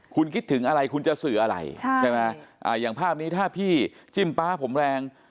คุณคิดถึงอะไรคุณจะสื่ออะไรใช่ไหมอย่างภาพนี้ถ้าพี่จิ้มป๊าผมแรง